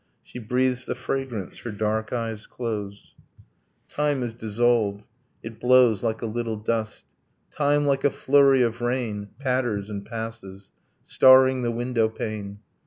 She breathes the fragrance; her dark eyes close ... Time is dissolved, it blows like a little dust: Time, like a flurry of rain, Patters and passes, starring the window pane.